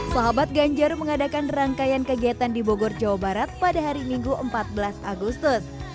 sahabat ganjar mengadakan rangkaian kegiatan di bogor jawa barat pada hari minggu empat belas agustus